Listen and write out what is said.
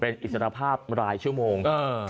เป็นอิสรภาพรายชั่วโมง